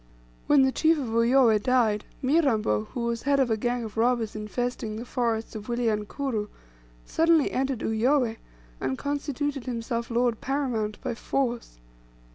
When the chief of Uyoweh died, Mirambo, who was head of a gang of robbers infesting the forests of Wilyankuru, suddenly entered Uyoweh, and constituted himself lord paramount by force.